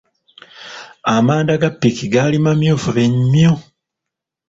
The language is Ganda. Amanda ga ppiki gaali mamyufu be mmyu.